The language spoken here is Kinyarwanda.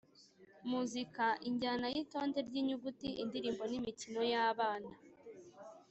Muzika: injyana y’itonde ry’inyuguti, indirimbo n’imikino y’abana.